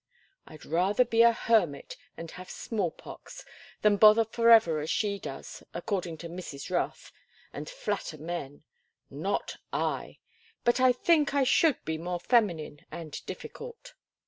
"I'd rather be a hermit and have smallpox than bother forever as she does, according to Mrs. Rothe; and flatter men—not I! But I think I should be more feminine and difficult."